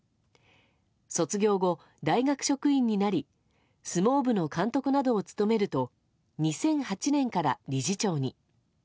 卒業後、大学職員になり相撲部の監督などを務めると２００８年から理事長に。